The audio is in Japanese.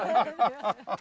ハハハハ！